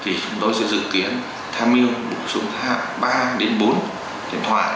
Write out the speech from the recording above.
thì chúng tôi sẽ dự kiến theo mưu bổ sung ba đến bốn điện thoại